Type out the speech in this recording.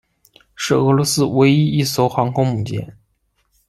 是俄罗斯唯一一艘航空母舰。